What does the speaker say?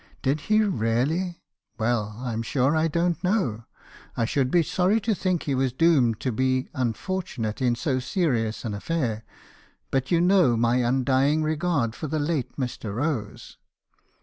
'"Did he really? Well, I'm sure I don't know. I should be sorry to think he was doomed to be unfortunate in so serious an affair; but you know my undying regard for the late Mr. Rose.'